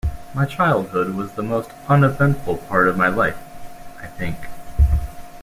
My childhood was the most uneventful part of my life, I think.